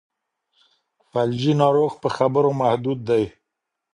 فلجي ناروغ په خبرو محدود دی.